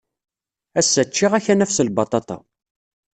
Ass-a, ččiɣ akanaf s lbaṭaṭa.